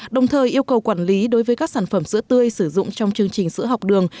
đồng thời yêu cầu quản lý đối với các sản phẩm sữa tươi sử dụng trong chương trình sữa học đường